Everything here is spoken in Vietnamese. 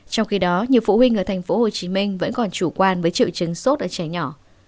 trong khi đó nhiều phụ huynh ở tp hcm vẫn còn chủ quan với triệu chứng sốt ở trẻ nhỏ